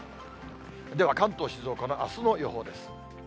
では関東、静岡のあすの予報です。